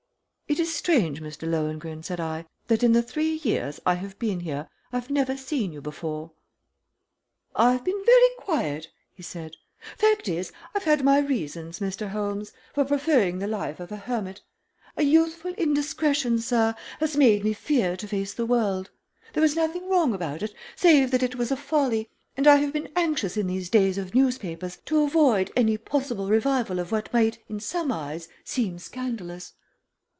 "It is strange, Mr. Lohengrin," said I, "that in the three years I have been here I've never seen you before." "I've been very quiet," he said. "Fact is, I have had my reasons, Mr. Holmes, for preferring the life of a hermit. A youthful indiscretion, sir, has made me fear to face the world. There was nothing wrong about it, save that it was a folly, and I have been anxious in these days of newspapers to avoid any possible revival of what might in some eyes seem scandalous."